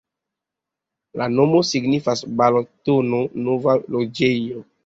La nomo signifas: Balatono-nova-loĝej'.